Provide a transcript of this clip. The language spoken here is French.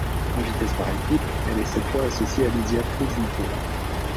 En vitesse par équipes, elle est cette fois associée à Lidia Pluzhnikova.